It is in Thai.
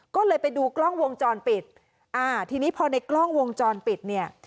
ก็เลยไปดูกล้องวงจรปิดอ่าทีนี้พอในกล้องวงจรปิดเนี่ย